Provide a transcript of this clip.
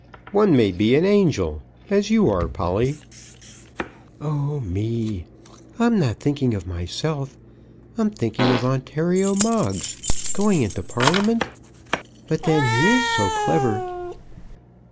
"One may be an angel, as you are, Polly." "Oh, me; I'm not thinking of myself. I'm thinking of Ontario Moggs, going into Parliament. But then he is so clever!"